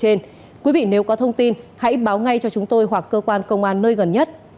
trên quý vị nếu có thông tin hãy báo ngay cho chúng tôi hoặc cơ quan công an nơi gần nhất